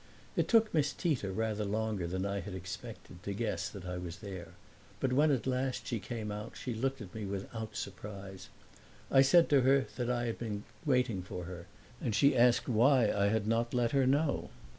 It took Miss Tita rather longer than I had expected to guess that I was there; but when at last she came out she looked at me without surprise. I said to her that I had been waiting for her, and she asked why I had not let her know.